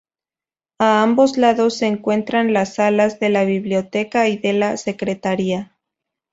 A ambos lados se encuentran las salas de la biblioteca y de la secretaría.